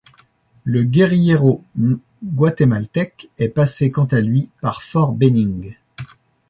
Le guérillero guatémaltèque est passé, quant à lui, par Fort Benning.